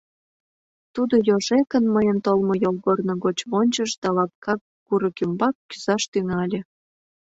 Тудо йожекын мыйын толмо йолгорно гоч вончыш да лапка курык ӱмбак кӱзаш тӱҥале.